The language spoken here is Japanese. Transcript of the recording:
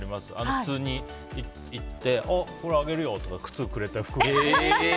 普通に行って、これあげるよとか靴をくれたり。